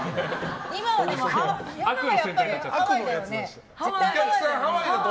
今はやっぱりハワイだよね。